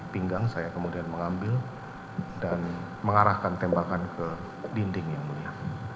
pinggang saya kemudian mengambil dan mengarahkan tembakan ke dinding yang mulia